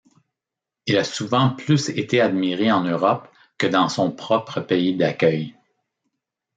Il a souvent plus été admiré en Europe que dans son propre pays d'accueil.